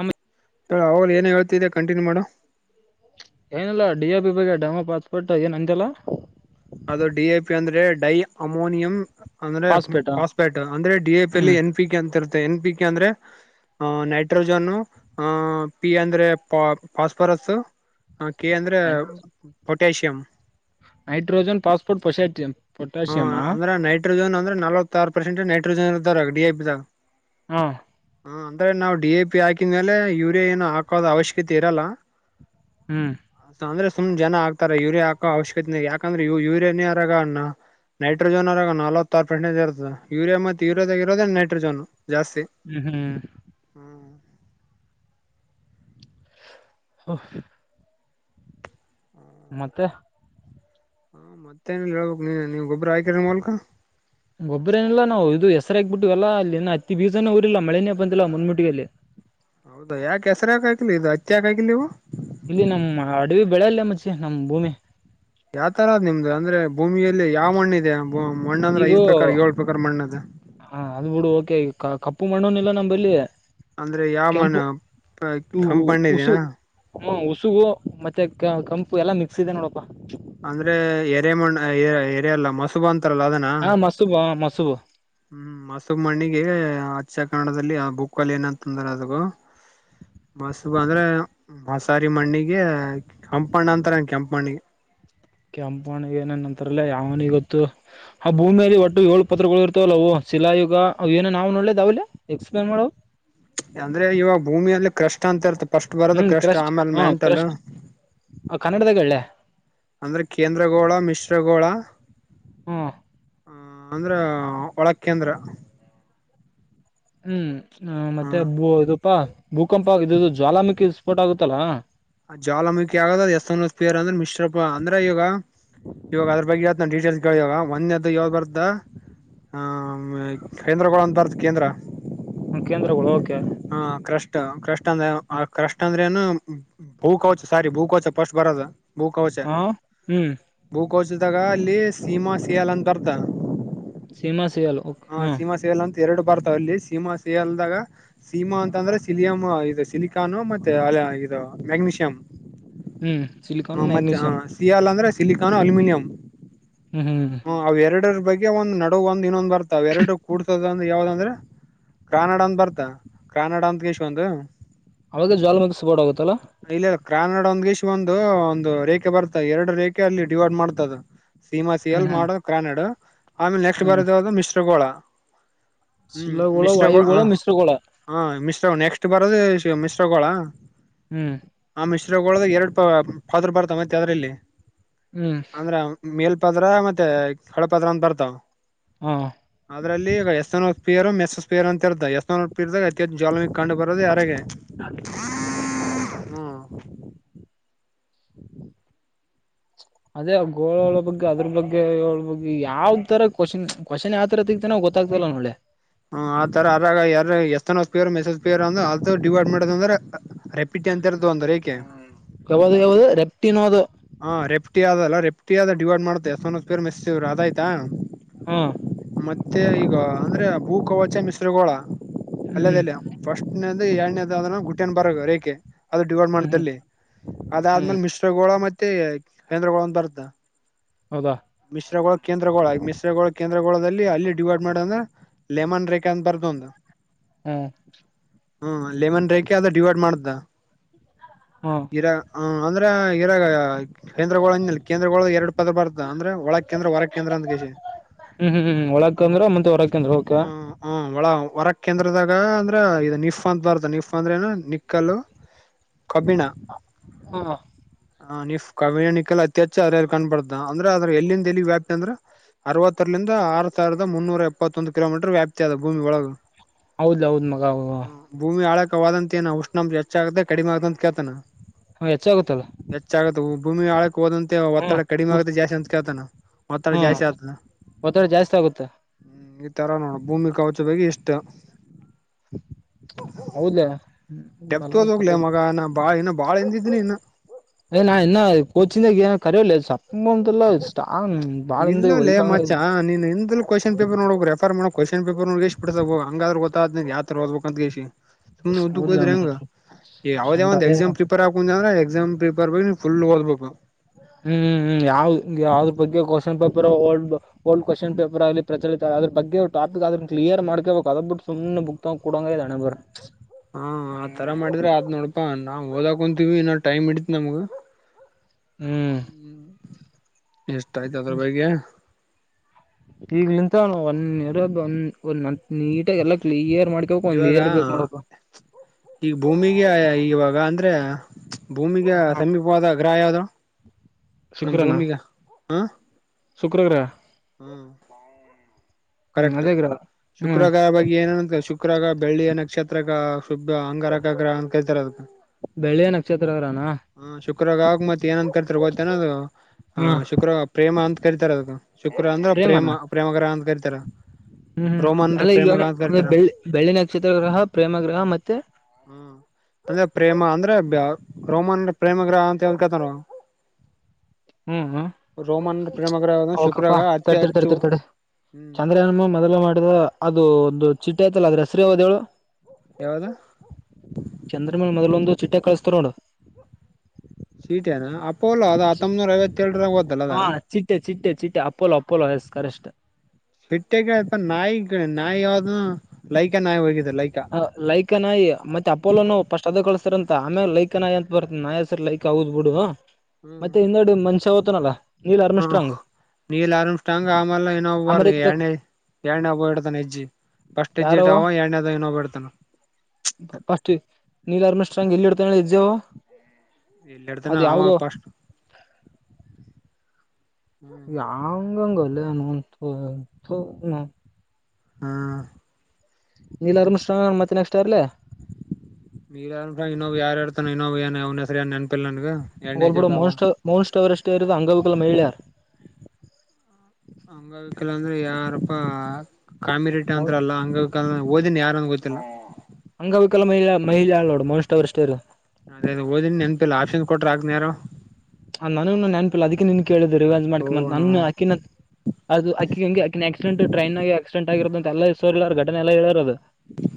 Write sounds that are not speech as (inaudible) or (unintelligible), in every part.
ಆಮೇ ತೋ ಅವಾಗ ಏನ್ ಹೇತಿದ್ದಿದೆ ಕಂಟನ್ಯೂ ಮಾಡು ಏನಲ್ಲ ಡಿಿಯ ಬಿ ಬಗ್ಗೆ ಡಮ ಪಾತ್ಪಟ್ಟ ಏನ್ ಅಂತೆಲ್ಲ ಅದು ಡಿ ಎ ಪಿ ಅಂದ್ರೆ ಡೈ ಅಮೋನಿಯಂ ಅಂದ್ರೆ ಪಾಸ್ಪೇಟ ಪಾಸ್ಪ್ಯಾಟ್ ಅಂದ್ರೆ ಡಿ ಎ ಪಿ ಅಲ್ಲಿ ಹ್ಮ್ ಎನ್ ಪಿ ಕೆ ಅಂತ ಇರುತ್ತೆ ಎನ್ ಪಿ ಕೆ ಅಂದ್ರೆ ಆ ನೈಟ್ರೋಜನ್ನು ಆ ಪಿ ಅಂದ್ರೆ ಪ ಫಾಸ್ಫರಸ್ ಹ ಕೆ ಅಂದ್ರೆ ಪೊಟ್ಯಾಸಿಯಂ್ ನೈಡ್ರೋಜನ್ ಪಾಸ್ಪೋರ್ಟ್ ಪಶಾಟಂ ಹಾ ಅಂದ್ರೆ ನೈಟ್ರೋಜನ್ ಅಂದ್ರೆ ನಲ್ವತ್ತ್ತಾರು ಪರ್ಸೆಂಟ್ ನೈಟ್ರೋಜನ್ ಇರ್ವ ಡಿ ಐ ಪಿದಾಗ ಹಾ ಹ ಅಂದ್ರೆ ನಾವವು ಡಿ ಎ ಪಿ ಹಾಕಿದ್ಮೇಲೆ ಯೂರಿಯಾ ಏನು ಹಾಕೋದ ಅವಶ್ಯಕತೆ ಇರಲ್ಲ ಹ್ಮ್ ಸಾಂದ್ರ ಸುಮ್ಮ್ ಜನ ಆಗ್ತ ಯರಿಯಾ ಹಾಕೋ ಅವಶ್ಯಕತೆ ಯಾಕಂದ್ರೆ ಯೂರಿಯಾನೇರಗ ಅಣ್ಣ ನೈಟ್ರೋಜನ್ರಾಗ ನಲ್ವತ್ಾರು ಪರ್ಸೆಂಜ ಇರ್ತದೆ ಯುರಿಯಾ ಮತ್ತೆ ಯೂರಿಯಾದಾಗ ಇರೋದೇ ನೈಟ್ರೋಜನ್ ಜಾಸ್ತಿ ಹ್ಮ್ ಹ್ಮ್ ಹ್ಮ್ ಹ ಮತ್ತೆ ಹಾ ಮತ್ತೆನ ಹೇಳ್ಬೇಕು ನೀ ನೀವ್ ಒಬ್ಬ ಗೊಬ್ಬರೇನಲ್ಲ ನಾವು ಇದು ಎಷ್ಟ ದಸರ ಆಗ್ಬಿಟ್ಟವಲ್ಲ ಅಲ್ಲಿ ಅತಿ ಬೀೂಸನೇ ಊರಿಲ್ಲ ಮಳೆನೇ ಬಂದಿಲ್ಲ ಮುಂದ್ ಮುಿಟ್ಟಿಗೆ ಅಲ್ಲಿ ಹೌದು ಯಾಕೆ ಹೆಸರ ಯಕ ಆಗಲಿ ಇದು ಅಚ್ಚಿ ಯಾಕ ಆಗಲಿ ನೀವು ಇಲ್ಲಿ ನಮ್ಮ್ ಅಡವಿ ಬೆಳೆ ಅಲ್ಲಯ ಮಚೆ ನಮ್ ಭೂಮಿ ಯಾವ ತರದ್ ನಿಮ್ದು ಅಂದ್ರೆ ಭೂಮಿಯಲ್ಲಿ ಯಾವ ಮಣ್ಣ ಇದೆ ಈಗೂ ಹ ಅದ್ ಬಿುಡು ಓಕೆ ಈ ಕಪ್ಪು ಮಣ್ಣುನ ಇಲ್ಲ ನಮ್ಮಲ್ಲಿ ಅಂದ್ರೆ ಯಾವ ಮನ್ ಕಂಪಣ್ಣ ಉಸು ಇದನಾ ಹ್ಮ ಉಸುಗು ಮತ್ತೆ ಕಂಪು ಎಲ್ಲಾ ಮಿಕ್ಸ್ ಇದೆ ನೋಡ ಅಂದ್ರೆ ಎರೆ ಮಣ್ಣ ಎರೆ ಅಲ್ಲ ಮಸುಬ ಅಂತ ಹಾ ಮಸೂಬ ಹ ಮಸೂಬು ಹ್ಮ್ ಮಸುಬ್ ಮಣ್ಣಿಗೆ ಹಚ್ಚ ಕನ್ನಡದಲ್ಲಿ ಭೂಕ್ಕಲ್ ಏನಂತಂದ್ರ ಅದಗ ಮಸ್ಗ ಅಂದ್ರೆ ಮಸಾರಿ ಮಣ್ಣಿಗೆ ಕೆಂಪಣ್ಣ ಅಂತರಂಗ ಕೆಂಪಣ್ಣಿಗೆ ಹ ಕೆಂಪಣಗ ಏನನ್ಂತಾರಲ್ಲ ಯಾವನಿ ಗೊತ್ತು ಆ ಭೂಮಿಯಲ್ಲಿ ಒಟ್ಟು ಏಳ್ ಪತ್ರಗಳು ಇರ್ತವಲ್ಲವು ಶಿಲಾಯುಗ ಏನೋ ನಾವು ನೋಡ್ೇದ ಅವಲಿ ಎಕ್ಸ್ಪ್ಲೇನ್ ಮಾಡೋ ಅಂದ್ರೆ ಇವಾಗ ಭೂಮಿಯ ಅಲ್ಲಿ ಕಷ್ಟ ಅಂತ ಇರ್ತ ಫಸ್ಟ್ ಹ್ಮ್ ಬರದಕ್ಕೆಷ್ಟ ಕ್ರಸ್ಟ್ ಆಮೇಲೆ ಹ ಮೆಂಟಲ್ ಕ್ರಸ್ಟ್ ಕನ್ನಡದಾಗ ಹೇಳಲೆ ಅಂದ್ರೆ ಕೇಂದ್ರಗೋಳ ಮಿಶ್ರಗೋಳ ಹ್ಮ ಹ ಅಂದ್ರ ಒಳ ಕೇಂದ್ರ ಹ್ಮ್ ಹ ಮತ್ತೊ ಇದಪಾ ಭೂಕಂಪ ಇದ ಜ್ವಾಲಾಮುಖಿ ಫೋಟ ಆಗುತ್ತಲ್ಲಾ ಅ ಜಾಲ ಮುುಖಿ ಆಗದ ಅ್ ಎಸ್ನ್ ಪಿಯರ್ ಅಂದ್ರೆ ಮಿಶ್ರಪ್ಪ ಅಂದ್ರ ಈಾಗ ಇವಾಗ ಅದ್ರ ಬಗ್ಗೆ ಯಾವ ನಾ ಡೀಟೇಲ್ಸ್ ಕೇಳ ಇವಾಗ ಒಂದೆದ್ದ ಯಾವ ಬರ್ದ ಹ ಕೈೇಂದ್ರಗಳು ಅಂತಾರದ ಕೇಂದ್ರ ಹ ಕೇಂದ್ರಗಳು ಹೋಗಿ ಹಾ ಕ್ರಷ್ಟ ಕ್ರಷ್ಟ ಅಂದ್ರ ಕ್ರಷ್ಟ ಅಂದ್ರೆ ೇನು ಭೂ ಕವಚ ಸಾರಿ ಭೂ ಕವಚ ಫಸ್ಟ್ ಬರದು ಹಾ ಹ್ಮ್ ಕೋಚಿದಾಗ ಅಲ್ಲಿ ಸೀಮಾ ಸಿಯಲ್ ಅಂತ ಅರ್ಥ ಸೀಮಾ ಸಿಿಯಲ್ ಹಾ ಅಂತ ಎರಡು ಬರ್ತಾವ ಅಲ್ಲಿ ಸೀಮಾ ಸಿಲ್ದಾಗ ಸೀಮಾ ಅಂತಂದ್ರೆ ಸಿಲಿಯಂ ಇದು ಸಿಲಿಕಾನ್ ಮತ್ತೆ ಅ ಇದು ಮ್ಯಾಗಗ್ನೀಷಿಯಂ ಹ್ಮ್ ಹ ಸಿಲಿಕಾನ್ ಮತ್ತೆ ಹ ಮ್ಯಾಗ್ನೀಷಿಯಂ ಸಿಯಾಾಲ ಅಂದ್ರೆ ಸಿಲಿಕ್ ಅ ಅಲ್ಯೂಮಿನಿಯಂ ಹ್ಮ್ ಹ್ಮ್ ಅವ ಎರಡರ ಬಗ್ಗೆ ಒಂದ್ ನಡ ಒ್ ಇನ್ನೊಂದ್ ಬರ್ತ ಎೆರೈಟ ಕೂಡ್ತದ ಅಂದ ಯಾವ್ದ ಅಂದ್ರೆ ಕ್ರಾನಡ ಅಂದ ಬರ್ತಾ ಕಾನಡ ಅಂತ ಕೇಶ್ ಒಂದು ಅವಾಗ ಜ್ಾಲ ಮೆ ಸಪೋರ್ಟ್ ಆೋಗುತ್ತಲ್ಲ (inaudible) ಕ್ರಾನಡ ಒಂದ್ಗಷ್ಟ ಒಂದು ಒಂದು ರೇಖೆ ಬರ್ತದೆ ಎರಡು ರೇಖೆ ಅಲ್ಲಿ ಡಿವೈಡ್ ಮಾಡ್ತದ ಸೀಮಾ ಸಿ ಹ್ಮ್ ಎಲ್ ಹ್ಮ್ ಮಾಡೋ ಕ್ರಾನೆಡ್ ಆಮೇಲೆ ನೆಕ್ಸ್ಟ್ ಹ್ಮ್ ಬರದ ಅದು ಮಿಶ್ರಗೋಳ ಹ್ಮ್ ಶಿಲಗೋಳ ಮಿಶ್ರಗೋಳ ವಾಯುಗೋಳ ಮಿಶ್ರಗೋಳ ಹ ಮಿಶ್ರ ನೆಕ್ಸ್ಟ್ ಬರೋದು ಮಿಶ್ರಗೋಳ. ಹ್ಮ್ ಮಿಶ್ರಗೋಲದಲ್ಲಿ ಎರಡು ಫಾದರ್ ಬರ್ತ ಮತ್ತ ಅದ್ರಲ್ಲಿ ಹ್ಮ್ ಅಂದ್ರ ಮೇಲ್ ಪದ್ರ ಮತ್ತೆ ಕೆಳಪದ್ರ ಅಂತ ಬರ್ತಾವ ಹ ಅದ್ರಲ್ಲಿ ಈಗ ಎಷ್ ಪೇರು ಮೆಸಸ್ ಪೇರು ಅಂತ ಇರ್ತ ಎಸ್ ಪೇರ್ದಾಗ ಅತಿ ಹೆಚ್ಚ ಜಲಮಿಗ್ ಕಂಡು ಬರೋದು ಯಾರಾಗ ಹ್ಮ (inaudible) (inaudible) (unintelligible) ಅದೇ ಗೋಳಳ ಬಗ್ ಅದ್ರ ಬಗ್ಗೆಳ ಬಗ್ಗೆ ಯಾವ್ ತರ ಕ್ವಶ್ನ್ ಕ್ವಶನ್ ಯಾವ್ ತರ ತೆಗತನ ಗೊತ್ತ (unintelligible) ಹ್ಮ ಆತರ ಅರಾಗ ಯಾರ ಎಷ್ಟತನ ಪೇರ್ ಮಸ ಪೇ ಅಂದ್ರ ಅದು ಡಿವಾರ್ಟ್ಮೆಟ್ ಅ ಅಂದ್ರೆ ರೆಪಿಟ ಅಂತರ್ತದ್ರ ಏಕೆ ಯಾವ್ದ ಯಾವ್ದ ರೆಪ್ಟಿನೋದು ಹಾ ರೆಪ್ಟಿ ಅದಲ್ಲ ರೆಪ್ಟಿ ಆದ ಡಿವೈಡ್ ಮಾಡ್ತೆ ಎಷ್ಟೇರ್ ಮೆಸ್ ಅಯ್ತಾ. ಹ್ಮ ಮತ್ತೆ ಈಗ ಅಂದ್ರೆ ಭೂ ಕವಚ ಮಿಶ್ರಗಳೋಳ ಹ್ಮ್ ಅಲ್ಲದೆಲ್ಲ ಫಸ್ಟ್ ಎರಡನೇದ ಗುಟ್ಟಿಯನ್ ಬರ ರೇಖೆ ಅದು ಡಿವೈಡ್ ಹ್ಮ್ ಹ್ಮ್ ಮಾಡಲ್ಲಿ ಹ್ಮ್ ಅದಾದ್ಮೇಲೆ ಮಿಶ್ರಗೋಳ ಮತ್ ಕೇಂದ್ರಗಳು ಒಂದ ಬರ್ತ ಹೌದಾ ಮಿಶ್ರ ಕೇಂದ್ರಗಳ ಮಿಶ್ರ ಕೇಂದ್ರ ಚ್ರಗೋಳದಲ್ಲಿ ಅಲ್ಲಿ ಡಿವೈಡ್ ಮಾಡ ಅಂದ್ರೆ ಲೆಮನ್ ರೇಖಾ ಅಂತ ಬಾರದು ಒಂದು ಹ್ಮ್ ಹ್ಮ ಲೆಮನ್ ರೇೇಕೆ ಅದ ಡಿವೈಡ್ ಮಾಡ್ದರ ಹ್ಮ ಹ ಇರಾಗ (unintelligible) ಕೇಂದ್ರ ಕೇಂದ್ರಳ ಎರಡು ಪದ ಬರ್ತ ಅಂದ್ರೆ ಒಳಗ್ ಕೇಂದ್ರ ಹೊರ ಕೇಂದ್ರ ಅಂತ (unintelligible) ಹ್ಮ್ ಹ್ಮ್ ಒಳಾಕಂದ್ರ ಮತ್ತೆ ಹೊರಾಕ ಅಂದ್ರ ಒಕ ವರಂದ್ರದಾಗ ಅಂದ್ರ ಇ ನಿಪ್ ಅಂತ ಬರ್ದ ನಿಫ ಅಂದ್ರೆ ಏನ ನಿಕ್ಕಲು ಕಬ್ಬಿಣ ಹ ಹ ನಿಫ್ ಕವಣಿಕಲ್ ಅತ್ಯಚ್ಚ ಅ ಕಾಣ್ಬಡ್ತ ಅಂದ್ರೆ ಅದ್ರ ಎಲ್ಲಿಂದ ಎಲ್ಲಿ ವ್ಯಾಪ್ತಿ ಅಂದ್ರ ಅರವತ್ತರಲಂದ ಆರು ಸಾವಿರದ ಮುನ್ನೂರ ಎಪ್ಪತ್ತೊಂದು ಕಿಲೋಮೀಟರ್ ವ್ಯಾಪ್ತಿ ಅದ ಭೂಮಿ ಒಳಗೆ ಹೌದ್ ಹೌದ್ ಮಗ ಹು ದ ಅಂತ ಏ ಉಷ್ಣಂ ಹೆಚ್ಚಾಗಗದೆ ಕಡಿಮ ಆಗತ ಅಂತ ಕೇಳ್ತಾನ ಹ ಹೆಚ್ಚ ಆಗುತ್ತಲ್ಲ ಹೆಚ್ಚಾಗತ್ತೆ ಭೂಮಿ ಆಳಕ್ಕೆ ಹೋದಂತೆ ಒತ್ತಡ ಕಡಿಮೆ ಆಗತೆ ಜಾಸ್ತಿ ಅಂತ ಕೇಳ್ತಾನ ಒತ್ತಡ ಹ್ಮ ಜಾಸ್ತಿ ಆಗ್ತದ (unintelligible) ಆಗುತ್ತೆ ತರ ನೋಡ ಭೂಮಿ ಕವಚ ಬಗೆ ಇಷ್ಟ ಹೌದ (unintelligible) ದೋಗಲ ಮಗ ಬಳ ಇ ಬಾಳ ಹಿಂದಿದಿನಿ ಇನ್ನ ಕೊಚ್ಚಿಿಂದೆ ಏನು ಕರಿೋ ಸಪ್ಪ ಅಂಂತಲ್ಲ್ಟ ಇಲ್ಲ ಲೇ ಮಚಾ ನೀನ್ (unintelligible) ಕ್ವಶನ್ ಪೇಪರ್ ನೋಡ್ಬೇಕು ರೆಫರ್ ಮಾ ಡ್ಬೇಕು ಮಾಡ ಕ್ವಷನ್ ಪೇಪರ್ ಎಷ್ಟ ಬಿಡ್ತ ಹಂಗಾದ್ರ ಗೊ ಯಾವತರ ಓದಬೇಕ ಅಂತ ಎಷ್ಟಿ ಸುಮ್ ಉದ್ದ ಹೌದ್ಲ ಹೋದ್ರ ಹಂಗ ಯಾವ್ದ ಶಂಟ ಯಾವಂದ್ ಅದೇ ಎಕ್ಸಾಮ್ ಪ್ರಿಪೇರ್ ಹಾಕೊಂಡ ಅಂದ್ರ ಎಕ್ಸಾಮ್ (unintelligible) ಫುಲ್ ಒದ್ಬೇಕು ಹ್ಮ್ ಹ್ಮ್ ಯಾವ್ ಯಾವ್ದ್ ಬಗ್ಗೆ question paper old old question paper ಆಗ್ಲಿ ಪ್ರಚಲಿತ ಅದ್ರ ಬಗ್ಗೆ ಟಾಪಿಕ್ ಅದ್ರ ಕ್ಲಿಯರ್ ಮಾಡಕ ಅವಾಗ ಅದಬ ಬಿಟ್ಟ ಸು್ ಬುಕ್ ತ್ ಕೊಡಂಗ ಇ ನಣೆಬ್ರು ಹಾ ಆತರ ಮಾಡಿದ್ರೆ ಆತ್ ನೋಡಪಾ ನಾ್ ಓದಕೊಂತೀವಿ ಇನ್ನ್ ಟೈಮ್ ಇಡತ್ ನಮ್ಗ ಹ್ಮ (unintelligible) ಹ್ಮ್ ಎಷ್ಟ ಆಯ್ತ ಅದ್ರ ಬಗೆ ಈಗ್ಂತ ಒಂದ ನೀಟಾಗಿ ಎಲ್ಲ ಕ್ಲಿಯರ್ ಮಾಡ್ಕೋಬೇಕು ಒಂದ್ ಇವಾಗ ಇಯರ್ ಬೇಕ್ ನೋಡಪ್ಪ ಈಗ ಭೂಮಿಗೆ ಈವಾಗ ಈ ಅಂದ್ರೆ ಭೂಮಿಗೆ ಸಮೀಪವಾದ ಗ್ರಹ ಯಾವದೋ ನಮ್ ಭೂಮಿಗ ಹ್ಮ್. ಶುಕ್ರವಾರ. ಹ್ಮ್. ಹ್ಮ್ ಕರೆಕ್ಟ್ ಅದೇ ಗ್ರಹ ಹ್ಮ್ ಶುಕ್ರವಾರ ಬಗ್ಗೆ ಏನನ ಶುಕ್ರಗಾರ ಬೆಳ್ಳಿ ನ ಕ್ಷೇತ್ರ ಶುಭ ಅಂಗಾರಗ್ರಹ ಅಂತ ಕರಿಕರ್ತಾರಾ ಅದಕ್ಕ. ಬೆಳ್ಳಿಯ ನಕ್ಷತ್ರ ಗ್ರಹನಾ ಹಾ ಶುಕ್ರಗಾವಕ ಮ ಯಏನಂದ ಗೇನ ಅದು ಹ್ಮ್ ಶುಕ್ರ ಪ್ರೇಮ ಅಂತ ಕರಿತಾರೆ ಅದು. ಶುಕ್ರ ಅಂದ್ರ ಪ್ರೇಮ ಪ್ರೇಮನಾ ಪ್ರೇಮಗ್ರಹ ಅಂತ ಕರಿತಾರ. ಹ್ಮ್ ಹ್ಮ್ ರೋಮನ್ರ ಪ್ರೇಮಗ್ರಹ ಅಂತ ಅಂದ್ರೆಂದ್ರೆ ಕರಿತಾರ ಬೆಳ್ಳಿ ಬೆಳ್ಳಿ ನಕ್ಷತ್ರ ಗ್ರಹ ಪ್ರೇಮ ಗ್ರಹ ಮತ್ತೆ, ಹ್ಮ ತಂದೆ ಪ್ರೇಮ ಅಂದ್ರೆ ರೋಮನ್ ಪ್ರೇಮ ಗ್ರಹ ಅಂತ ಹೇಳ್ದ ಕತರು ಹ್ಮ್ ಹ್ಮ್ ರೋಮನ್ ಪ್ರೇಮಗ್ರಹದ ಶುಕ್ರಾಗ ಅತಿ ಹೆಚ್ಚು, ಹ್ಮ್ ಚಂದ್ರಯಾನಮ್ಮ ಮೊದ್ಲ ಮಾಡಿದ ಅದು ಒಂದು ಚಿಟ್ಟ ಐ್ತಲ್ಲ ಅದ್ರ ಹೆಸ್ರ ಯಾವ್ದು ಹೇಳು. ಯಾವ್ದ ಚಂದ್ರಮೇನ್ ಮೊದ್ಲೊಂದು ಚಿಟ್ಟೆ ಕಳಸ್ತಾರ ನೋಡು. ಸೀಟೆನಾ ಅಪೋಲೋ ಅದ ಹತ್ತೊಂಬನೂರ ಐವತ್ತೇಳರಾಗ ಹೋದಲ್ಲ ಅದ. ಅಪೊಲೊ ಏಸ್ ಕರೆಷ್ಟ. ಬಿಟ್ಟಗ ನಾಯಿ ನಾಯಿ ಯಾವ್ದ. ಲೈಕಾ ನಾಯಿ ಹೋಗಿದೆ ಲೈಕಾ ಹ ಲೈಕನಾಯಿ ಮತ್ತೆ ಅಪೋಲೋನು ಪಸ್ಟ್ ಅದ ಕಳಸ್ಸಾರ ಅಂತ. ಮ ಆಮೇಲೆ ಲೈಕ ನಾಯಿ ಅಂತ ಬರ್ತ ನಾಯ ಸರಿ ಲೈಕ್ ಹಗದ್ ಬಿಡು ಮತ್ತೆ ಹಿಂದೆಡಿ ಮನ್ಷ್ಯ ಹೂ ತನಲ್ಲಾ, ನೀಲ್ ಆರ್ಮ ಸ್ಟ್ರಾಂಗ್. ನೀಲ ಆರಮ್ ಸ್ಟ್ರಾಂಗ್ ಆಮೇಲ ಇನ್ನೊಬ್ಬ ಹಾರ್ದ ಅಮೆರಿಕದಾಗ ಎರಡನೇ, ಎರಡನೇ ಒಬ್ಬವ ಇಡ್ತಾನ ಎಜ್ಜಿ ಫಸ್ಟ್ ಹೆಜ್ಜಿ ಇಟ್ಟವ ಅವ ಎರಡನೇ ಪ ಪಸ್ಟ್ ನೀಲ ಆರಮ ಸ್ಟ್ರಾಂಗ್ ಎಲ್ಲಿ ಇಡ್ತನಾ ಹೇಳ ಅವ ಹೆಜ್ಜಿ. ಯಲ್ಲಿ ಇಡ್ತಾನ ಆವಾ ಪಸ್ಟ್, (unintelligible) ಹಾ, ನೀಲ್ ಅರ್ಮ ಸ್ಟ್ರಾಂಗ ಮತ್ತೆ ನೆಕ್ಸ್ಟ್ ಆರ್ಲಿ. (unintelligible) ಹೋಲಿಬಿಡು ಹೆಜ್ಜಿಟ್ ಅವ ಮನ್ ಮನ್ ಅವರ ಎಷ್ಟೇ ಇರೋದು ಅಂಗವಿಕಲ ಮಹಿಳೆ. ಹಂಗವಿಕಲ ಅಂದ್ರೆ ಯಾರಪ್ಪ ಕಾಮಿ ರೀಟ್ ಅಂತತ್ರಲ್ಲ ಹಂಗವಿಕಲ್, ಓದಿನಿ ಯಾರನ್ ಗೊತ್ತಿಲ್ಲ. ಹಂಗ ಅವಿಕಲ್ಲ ಮಹಿಳಾ ಮಹಿಳಾ ನೋಡು ಮನ್ಸ್ ಅವರು ಅಷ್ಟೇರು, ಅದೇ ಅದು ಓದಿನಿ ನೆನ್ಪಿಲ್ಲ ಆಪ್ಷನ್ ಕೊಟ್ರ ಆಗ್ನ ಯಾರು ಹೇಳ್. ಹ ನಾನು ನೆನ್ಪಿಲ್ಲ ಅದಕ್ಕೆ ನಿನ್ ಕೇಳಿದ್ ರಿವಾಜ್ ಮಾಡ್ಕ ಮತ್ ನನ್ ತೋನು ಅಕಿನ ಅದು ಅಕ್ಕಿ ಹಂಗೆ ಅಕ್ಕಿನ ಆಕ್ಡೆಂಟ್ ಟ್ರನ್ ಆಕ್ಡೆಂಟ್ ಆಗರೋ ಅಂತೆ ಎಲ್ಲ ಹೆೋ ಘಟನೆ ಎಲ್ಲಾ ಹೇಳರೋದು.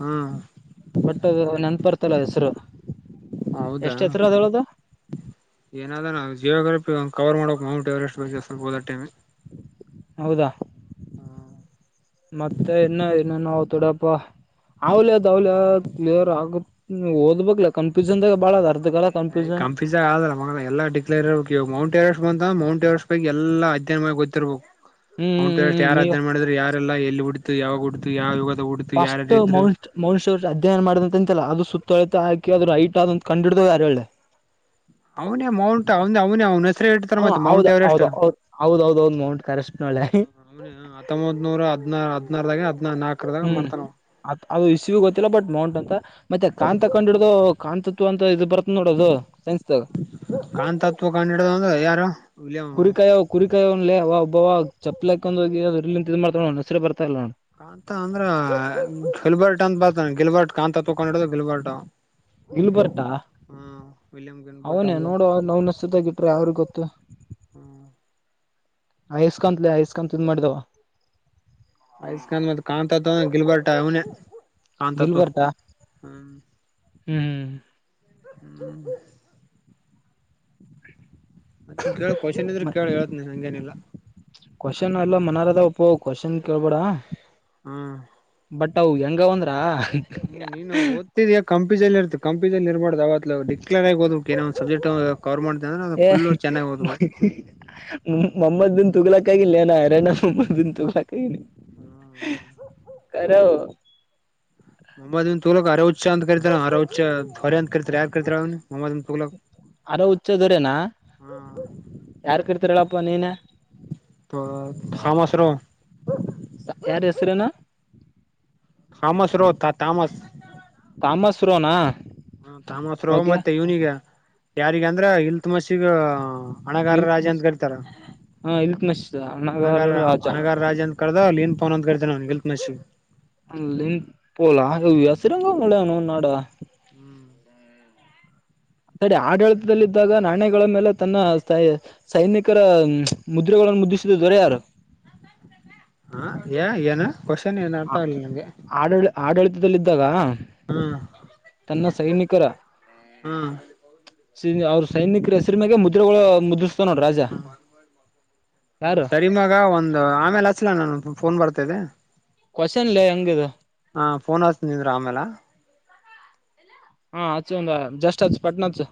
ಹಾ ಬಟ್ ನೆನಪ ಬರ್ತಾ ಇಲ್ ಹೆಸರು. ಎಷ್ಟ ಎತ್ತರ ಆದ ಹೇಳ ಅದು. ಏನಾ ಆದ ಎನ್ ನಾವು ಜಿಯೋಗ್ರಫಿ ಒ ಕವರ್ ಮಾಡಕ್ ಮೌಂಟ್ ಎವರೆಸ್ಟ್ ಬಗ್ಗೆ ಸ್ವಲ್ಪ ಓದೋ ಟೈಮ್ಗಿ ಹೌದಾ, ಮತ್ತೆ ಇನ್ನು ಏನು ನಾವು ತೊಡಪ್ಪ. (unintelligible) ಯ್ ಕನ್ಫ್ಯೂಷನ್ ಕಂಫೀಜ ಆ ಆದಲ್ಲ ಮ ಎಲ್ಲ ಡಿಕ್ಲೇರ್ ಇರ್ಬೇಕು ಇಾಗ ಮೌಂಟ್ ಎವರೆಸ್ಟ್ ಬಂತಂದ ಮೌಂಟ್ ಮೌಂಟ್ ಎವರೆಸ್ಟ್ ಬಗ್ಗೆ ಎಲ್ಲಾ ಅಧ್ಯನ ಮಾಡಿ ಗೊತ್ತಿರಬೇಕು ಹ್ಮ್ ಮೌಂಟ್ ಹ್ಮ್ ರೆಸ್ಟ್ ಹ್ಮ್ ಯಾರ ನೀವು ಅಧ್ಯಯನ ಮಾಡಿದ್ರೆ ಯಾರೆಲ್ಲ ಎಲ್ಲಿ ಹಡ (unintelligible) ಫಸ್ಟ್ ಮನ್ ಮೌನ್ಶ ಅವ ಅಧ್ಯಯನ ಮಾಡದಂತ ಅಂತಲ್ಲ ಅದು ಸುತ್ತ ತೊಳೆತ ಹಾಕಿ ಅದ್ರ ಹೈಟ್ ಆದಂತ ಕಡ್ಡುಇಡಿಧ್ವ ಯಾರ್ ಹೇಳೇಲೆ. ಅವನೇ ಮೌಂಟ್ ಅವನ ಅವನೇ ಅವ್ನ ಹೆಸರೇ ಇಡ್ತಾರ ಹಾ ಮತ್ತೆ ಮೌಂಟ್ ಹೌದು್ ಎವರೆಸ್ಟ್ ಹೌದುೌದ ಹೌದ ಹೌದ ಹೌದು ಮೌಂಟ್ ಅವರೆಸ್ಟ್ (inaudible) ಅವನೇ ಹತ್ತೊಂಬತ್ ನೂರ ಹದ್ ಹದ್ನಾರಾಗ. (unintelligible) ಗೊತ್ತಿಲ್ಲ ಬಟ್ ಮೌಂಟ್ ಅಂತ ಮತ್ತೆ ಕಾಂತ ಕಂಡ ಹಿಡು ಕಾಂತತ್ವ ಅಂತದು ಬರುತ್ತ ಕಾಂತತ್ವ ಕಂಡಿಡೋದ್ ಯಾರು. ವಿಲಿಯಂ ಕುರಿಕಾಯ ಕುರಿಕಾಯವನ್ಲೆ ಅವ ಒಬ್ಬವ ಚಪ್ಪಲೆಕ್ಕಕಂದ ಹೋಗಿ ಅದ್ರಲಿಂದ್ ಇದ್ ಅವ್ನ್ ಹೆಸ್ರೇ ಬರ್ ಕಾಂತಾ ಅಂದ್ರ ಗಿಲ್ಬರ್ಟ್ ಅಂತ್ ಬಾತಾನ ಗಿಲ್ಬರ್ಟ್ ಕಾಂತತ್ವ ಕಂಡಿಡ್ ದೊದು ಗಿಲ್ಬರ್ಟು. ಹಾ ವಿಲ್ಯಂ ಅವ್ನೆ ನೋಡುವ ನವ್ನೆ ಸಿತೆಗಿಟ್ರೆ ಅವ್ರ ಗೊತ್ತು. ಹ್ಮ ಆಯಸ್ಕತ್ಲೆ ಆಯಸ್ಕಂತ ಮಾಡ್ದಾವ. ಆಯಸ್ಖಾನ್ ಮತ್ ಕಾಂತತ್ ಗಿಲ್ಬಾರ್ಟ ಅವ್ನೆ. ಗಿಲ್ ಕಾಂತತ್ವ ಬರ್ಟಾ ಹ್ಮ್. ಹ್ಮ್ ಹ್ಮ್ ಮತ್ ಕೇಳ ಕ್ವೆಶ್ಚನ್ ಇದ್ರ ಮ ಕೇಳ ಹೇಳ್ತನಿ ಹಂಗೇನಿಲ್ಲ. ಕ್ವಶನ್ ಎಲ್ಲ ಮನಾರ ಅದ ಒಪ್ಪ ಕ್ವಶನ್ ಕೇಳ್ಬೇಡ. ಹ್ಮ್ ಬಟ್ಟವು ಹೆಂಗ್ ಅವ ಅಂದ್ ನಿ ನೀನು ಓದ್ತಿಯ ಕಂಪ್ ಫಿಜೆಲ್ಲ ಇರ್ತೆ ಕಂಪಿಜಲ್ ಇರ್ಬಾರ್ದು ಯಾವತ್ಲು ಡಿಕ್ಲೇರ್ ಆಗ್ ಒದ್ಬೇಕ್ ಏನೆ ಒಂದ್ ಸಬ್ಜೆಟ್ ಅನ್ ಏ ಮೊಮ್ಮದ್ ಬಿನ್ ತಗಲಕ್ಕಾಗಿಲ್ಲಾನೆ ಹರೆನ. ಮೊಹಮ್ಮದ್ ಬಿನ್ ತುಘಲಾಕ್ ಆಗೇನಿ ಕರೆವು. ಮೊಮ್ಮದ್ ಬಿನ್ ತುಘಲಾಕ್ ಅರೆ ಹಚ್ಚಾ ಅಂತ ಕರಿತೆವ್ ಅರೆ ಹುಚ್ಚ ಹೊರೆ ಅಂತ್ ಕರೀತೆರ್ ಯಾರ್ ಕರೀತೆರ್ ಅವ್ನ. ಅರೆ ಹುಚ್ಚದೆರೆನ. ಹಾ ಯಾರ್ ಕರ್ತಾರ ಹೇಳಪ್ಪಾ ನೀನ. ಥಾಮಸ್ ರೋ ಸ ಯಾರ್ ಹೆಸ್ರೆನ. ಹಾಮಸ್ ರೋತಾ ತಾಮಸ್. ತಾಮಸ್ ರೊನಾ. ಹ ತಾಮಸ್ ರೋ ಮತ್ತೆ ಇವ್ನಿಗ ಯಾರಿಗ್ ಅಂದ್ರ ಇಲ್ ತಮಸ್ಗ. ಹಣೆಗಾರ್ ಇಲ್ತ್ ರಾಜ ಮಸ್ ಅಂತ ಕರಿತಾರ. ಹಾ ಇಲ್ತ್ ಮಸ್ ಅಣಗಾರ ಹಣಗಾರ ರಾಜ ಅಣಗಾರ ರಾಜ ಅಂತ ಕಳ್ದ್ ಲೀನ್ ಫೋನ್ ಅಂತ್ ಕರೀತಾನ ಇಲ್ತ್ಮಿಷ. ಅಲ್ಲಿನ್ ಪೊಲಾ ಹೆಸರಿಂಗ ಒಳ್ಳೆನೋಡ್ ನಾಡಾ. ಹ್ಮ್ ತಡೆ ಆಡಳಿತದಲ್ಲಿದ್ದಾಗ ನಾಣ್ಯಗಳ ಮೇಲೆ ತನ್ನ ಸೈ ಸೈನಿಕರ ಮುದ್ರೆಗಳ್ ಮುದ್ದಿಸಿದ ದೊರೆ ಯಾರು. (unintelligible) ಏಳ ಏನ ಕ್ವಶನ್ ಏನ್ ಅರ್ಥ ಆಗ್ಲಿಲ್ಲ ನಂಗೆ. ದಲ್ಲಿದಾಗ ಹ್ಮ್ ತನ್ನ ಸೈನಿಕರ. ಹ್ಮ್ ಸಿನ್ಯ ಅವ್ರ್ ಸೈನಿಕ್ರ ಹೆಸ್ರಿನಗೆ ಮುದ್ರೆಗಳು ಮುದ್ರಿಸಿದ್ ಹ್ಮ ಯಾರು ಸರಿ ಮಗ ಒಂದ್ ಆಮೇಲೆ ಹಚ್ಲ ನಾನ ಫೋನ್ ಬರ್ತ್ ತದೆ ಕ್ವಶನ್ ಲೇ ಹೆಂಗಿದು ಹ ಫೋನ್ ಹಚ್ಚತಿನಿಂದ್ರು ಆಮೇಲ. ಹಾ ಹಚ್ಚು ಒಂದ್ ಜಸ್ಟ್ ಹಚ್ ಪಟ್ನಾ ಹಚ್ಚು.